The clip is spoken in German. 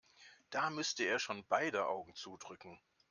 Da müsste er schon beide Augen zudrücken.